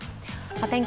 お天気